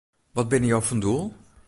Wat binne jo fan doel?